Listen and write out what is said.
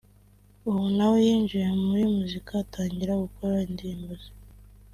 ubu nawe yinjiye muri muzika atangira gukora indirimbo ze